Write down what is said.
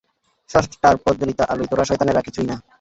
স্রষ্টার প্রজ্জলিত আলোয় তোরা শয়তানেরা কিছুই না!